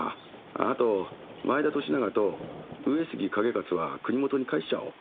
あと前田利長と上杉景勝は国許に帰しちゃおう。